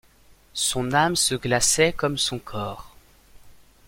Son âme se glaçait comme son corps.